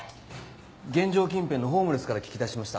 現場近辺のホームレスから聞き出しました。